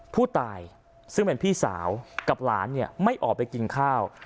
ผู้ตายซึ่งเป็นพี่สาวกับหลานเนี่ยไม่ออกไปกินข้าว